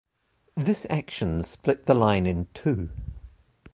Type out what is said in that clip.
This action split the line in two.